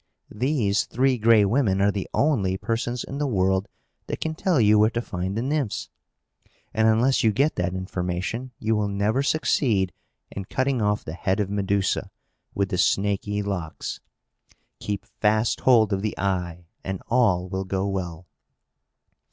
"These Three Gray Women are the only persons in the world that can tell you where to find the Nymphs; and, unless you get that information, you will never succeed in cutting off the head of Medusa with the snaky locks. Keep fast hold of the eye, and all will go well."